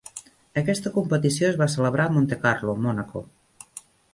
Aquesta competició es va celebrar a Montecarlo, Mònaco.